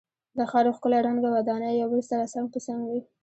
د ښار ښکلی رنګه ودانۍ یو بل سره څنګ په څنګ وې.